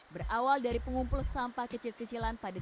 berawal dari pengumpul sampah kecil kecilan pada dua ribu lima